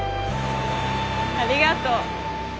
ありがとう。